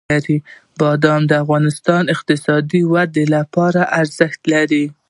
بادام د افغانستان د اقتصادي ودې لپاره ارزښت لري.